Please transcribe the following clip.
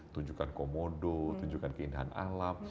tunjukkan komodo tunjukkan keindahan alam